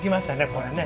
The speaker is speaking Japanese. これね。